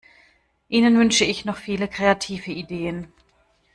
Ihnen wünsche ich noch viele kreative Ideen!